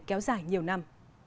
kéo dài nhiều năm